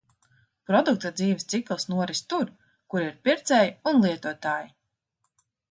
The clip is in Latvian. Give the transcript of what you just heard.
Produkta dzīves cikls noris tur, kur ir pircēji un lietotāji.